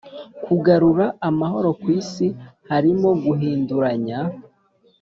kugarura amahoro ku isi harimo guhinduranya